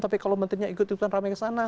tapi kalau menterinya ikut ikutan ramai kesana